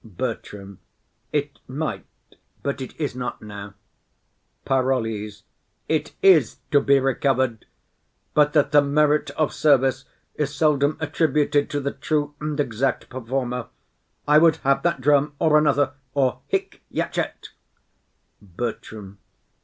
BERTRAM. It might, but it is not now. PAROLLES. It is to be recovered. But that the merit of service is seldom attributed to the true and exact performer, I would have that drum or another, or hic jacet. BERTRAM.